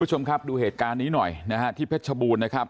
คุณผู้ชมครับดูเหตุการณ์นี้หน่อยนะฮะที่เพชรชบูรณ์นะครับ